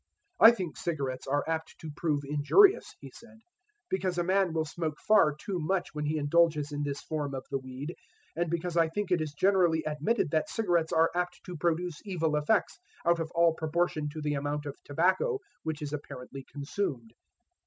"I think cigarettes are apt to prove injurious," he said, "because a man will smoke far too much when he indulges in this form of the weed, and because I think it is generally admitted that cigarettes are apt to produce evil effects out of all proportion to the amount of tobacco which is apparently consumed."